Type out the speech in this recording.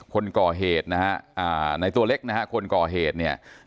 คนก่อเหตุนะฮะในตัวเล็กนะฮะคนก่อเหตุเนี่ย